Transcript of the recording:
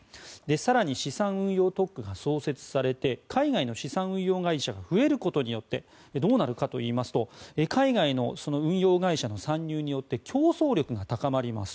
更に、資産運用特区が創設されて海外の資産運用会社が増えることによってどうなるかといいますと海外の運用会社の参入によって競争力が高まります。